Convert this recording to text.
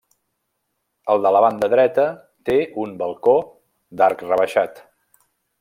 El de la banda dreta té un balcó d'arc rebaixat.